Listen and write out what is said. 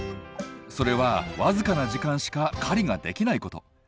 それは僅かな時間しか狩りができないこと。